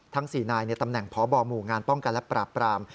ทั้ง๔นายในตำแหน่งพบหมู่งานป้องกันและปราบปราม